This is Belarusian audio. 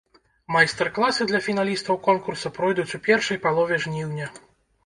Майстар-класы для фіналістаў конкурса пройдуць у першай палове жніўня.